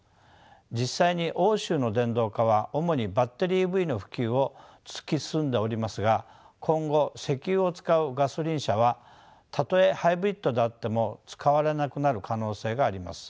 実際に欧州の電動化は主にバッテリーＥＶの普及を突き進んでおりますが今後石油を使うガソリン車はたとえハイブリッドであっても使われなくなる可能性があります。